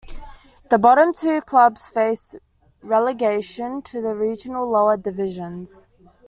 The bottom two clubs face relegation to the regional lower divisions.